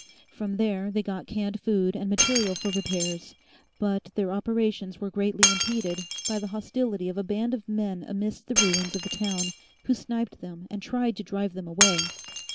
From there they got canned food and material for repairs, but their operations were greatly impeded by the hostility of a band of men amidst the ruins of the town, who sniped them and tried to drive them away.